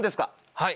はい。